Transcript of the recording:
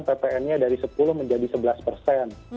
ppn nya dari sepuluh menjadi sebelas persen